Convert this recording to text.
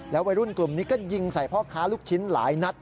วัยรุ่นกลุ่มนี้ก็ยิงใส่พ่อค้าลูกชิ้นหลายนัด